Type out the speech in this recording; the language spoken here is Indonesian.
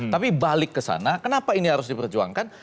tapi balik ke sana kenapa ini harus diperjuangkan